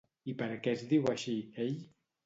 I per què es diu així, ell?